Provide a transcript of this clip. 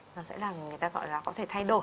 nó sẽ làm người ta gọi là có thể thay đổi